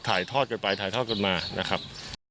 ถ่ายทอดกันไปถ่ายทอดกันมานะครับ